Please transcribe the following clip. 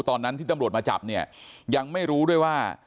ตอนนั้นที่ตำรวจมาจับเนี่ยยังไม่รู้ด้วยว่า